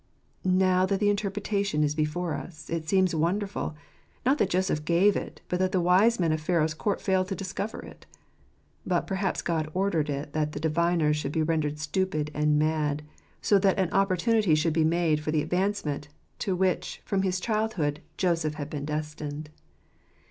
Now that the interpretation is before us, it seems wonder ful, not that Joseph gave it, but that the wise men of Pharaoh's court failed to discover it. But perhaps God ordered it that the diviners should be rendered stupid and "mad," so that an opportunity should be made for the advancement, to which, from his childhood, Joseph had been destined.